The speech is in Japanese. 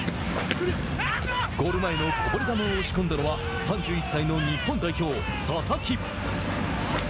ゴール前のこぼれ球を押し込んだのは３１歳の日本代表、佐々木。